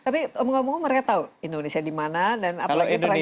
tapi omong omong mereka tahu indonesia di mana dan apalagi terakhir